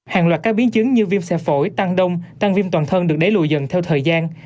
hàng loạt các biến chứng như viêm xe phổi tăng đông tăng viêm toàn thân được đẩy lùi dần theo thời gian